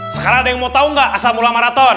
sekarang ada yang mau tau gak asal mulai maraton